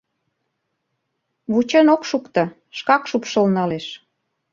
Вучен ок шукто, шкак шупшыл налеш.